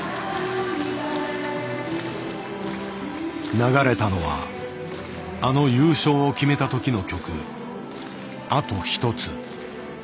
流れたのはあの優勝を決めたときの曲「あとひとつ」。